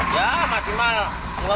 ya maksimal lima puluh enam puluh lah